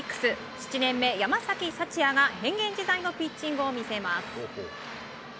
７年目、山崎福也が変幻自在のピッチングを見せます。